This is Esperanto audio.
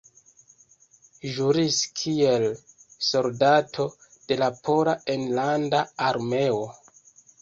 Ĵuris kiel soldato de Pola Enlanda Armeo.